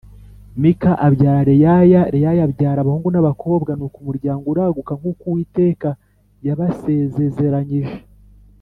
Mika abyara Reyaya Reya ya abyara abahungu na bakobwa nuko umuryango uraguka nkuko uwiteka yabasezezeranyije